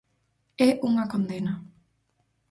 É unha condena.